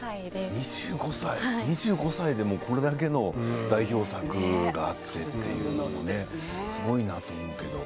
２５歳でこれだけの代表作があってというのはねすごいなと思うけど。